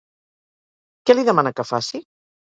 Què li demana que faci?